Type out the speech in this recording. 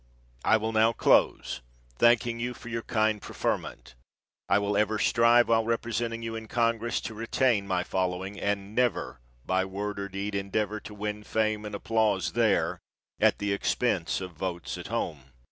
I will now close, thanking you for your kind preferment. I will ever strive, while representing you in congress, to retain my following, and never, by word or deed, endeavor to win fame and applause there at the expense of votes at home.